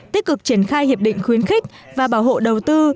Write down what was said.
tích cực triển khai hiệp định khuyến khích và bảo hộ đầu tư